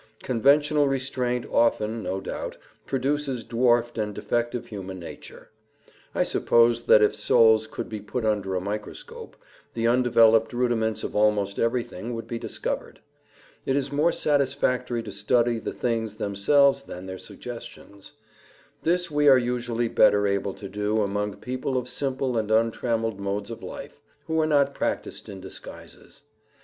Conventional restraint often, no doubt, produces dwarfed and defective human nature. I suppose that if souls could be put under a microscope, the undeveloped rudiments of almost everything would be discovered. It is more satisfactory to study the things themselves than their suggestions; this we are usually better able to do among people of simple and untrammeled modes of life, who are not practiced in disguises.